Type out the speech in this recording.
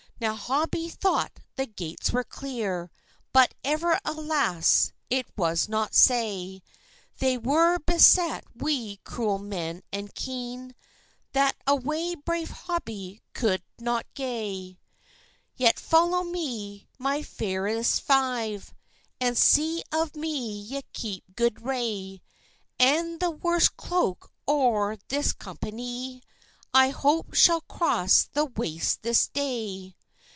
Now Hobie thought the gates were clear; But, ever alas! it was not sae: They were beset wi' cruel men and keen, That away brave Hobbie could not gae. "Yet follow me, my feiries five, And see of me ye keep good ray; And the worst cloak o' this companie I hope shall cross the Waste this day."